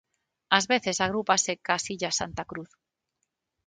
Ás veces agrúpase cas Illas Santa Cruz.